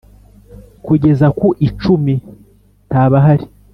Kugeza ku icumi ntabahari.